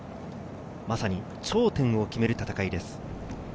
まさに頂点を決める戦いです。